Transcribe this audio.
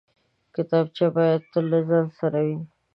کتابچه باید تل له ځان سره وي